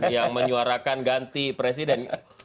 yang menyuarakan ganti presiden